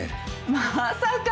まさか！